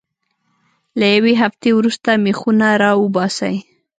له یوې هفتې وروسته میخونه را وباسئ.